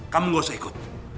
kamu gak usah ikut